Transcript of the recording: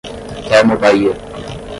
Termobahia